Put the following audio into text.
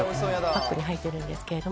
パックに入ってるんですけれども。